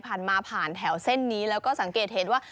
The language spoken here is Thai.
ผ่านมาผ่านแถวเส้นนี้แล้วก็สังเกตเห็นว่า